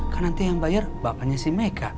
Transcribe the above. kan nanti yang bayar bapaknya si mereka